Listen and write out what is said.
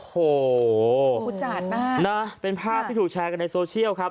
โอ้โหผู้จานมากนะเป็นภาพที่ถูกแชร์กันในโซเชียลครับ